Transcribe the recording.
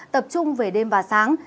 tập trung về đêm và sáng